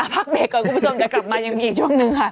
พักเบรกก่อนคุณผู้ชมจะกลับมายังมีอีกช่วงหนึ่งค่ะ